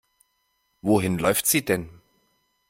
Wohin läuft sie denn?